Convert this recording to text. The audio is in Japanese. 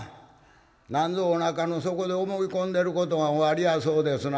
何ぞおなかの底で思い込んでることがおありやそうですな。